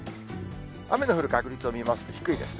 雨の降る確率を見ますと、低いですね。